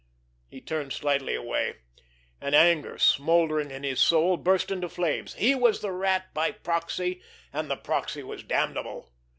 He turned slightly away. An anger, smoldering in his soul, burst into flame. He was the Rat by proxy—and the proxy was damnable.